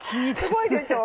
すごいでしょ。